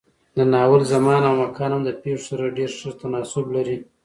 د ناول زمان او مکان هم د پېښو سره ډېر ښه تناسب لري.